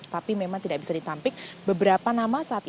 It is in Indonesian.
tapi memang tidak bisa ditampik beberapa nama saat ini